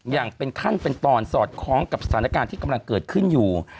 อย่างเป็นขั้นเป็นตอนสอดคล้องกับสถานการณ์ที่กำลังเกิดขึ้นอยู่